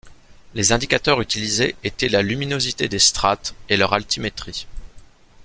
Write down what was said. Les indicateurs utilisés étaient la luminosité des strates et leur altimétrie.